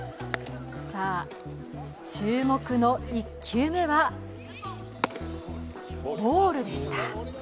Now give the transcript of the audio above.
さあ注目の１球目はボールでした。